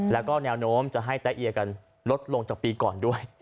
แล้วก็แนวโน้มจะให้แตะเอียกันลดลงจากปีก่อนด้วย